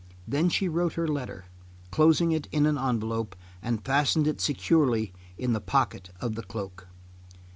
Then she wrote her letter, closed it in an envelope, and fastened it securely in the pocket of the cloak.